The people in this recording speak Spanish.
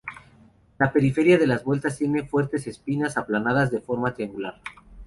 La periferia de las vueltas tiene fuertes espinas aplanadas de forma triangular.